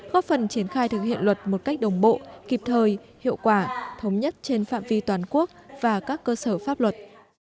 góp phần triển khai thực hiện luật một cách đồng bộ kịp thời hiệu quả thống nhất trên phạm vi toàn quốc và các cơ sở pháp luật